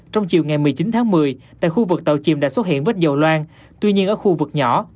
trong chiều ngày một mươi chín tháng một mươi tại khu vực tàu chìm đã xuất hiện vết dầu loan tuy nhiên ở khu vực nhỏ